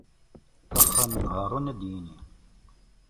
Axxam n Haṛun ad yini.